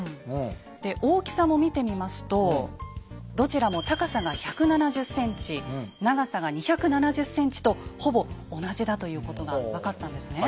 で大きさも見てみますとどちらも高さが１７０ｃｍ長さが２７０ｃｍとほぼ同じだということが分かったんですね。